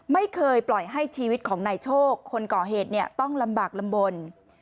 ไม่เคยปล่อยให้ชีวิตของนายโชคคนก่อเหตุต้องลำบากลำบล